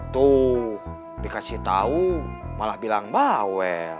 tuh dikasih tahu malah bilang bawel